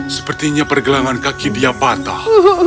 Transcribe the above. sepertinya pergelangan kaki dia patah